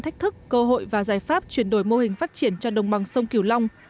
thách thức cơ hội và giải pháp chuyển đổi mô hình phát triển cho đồng bằng sông kiều long